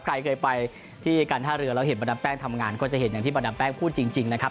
ใครเคยไปที่กัณฑ์ห้าเรือแล้วเห็นกันแป้งทำงานก็จะเห็นอีกอย่างที่แป่งพูดจริงนะครับ